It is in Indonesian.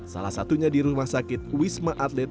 salah satunya di rumah sakit wisma atlet